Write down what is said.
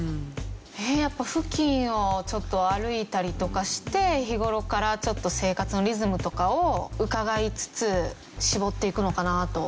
やっぱ付近をちょっと歩いたりとかして日頃からちょっと生活のリズムとかを伺いつつ絞っていくのかなと。